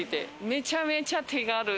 めちゃめちゃ手軽。